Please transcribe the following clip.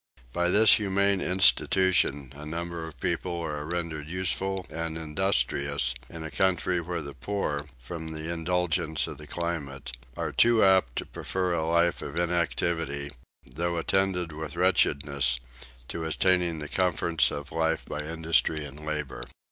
By this humane institution a number of people are rendered useful and industrious in a country where the poor, from the indulgence of the climate, are too apt to prefer a life of inactivity, though attended with wretchedness, to obtaining the comforts of life by industry and labour.